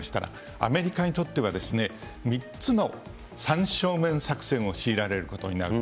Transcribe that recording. アメリカにとっては、３つの三正面作戦を強いられることになると。